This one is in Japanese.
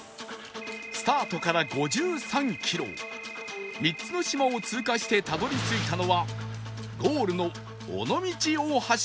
スタートから５３キロ３つの島を通過してたどり着いたのはゴールの尾道大橋バス停